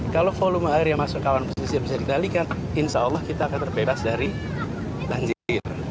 kalau volume air yang masuk kawasan pesisir bisa dikendalikan insya allah kita akan terbebas dari banjir